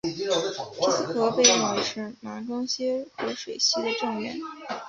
皮斯河被认为是马更些河水系的正源。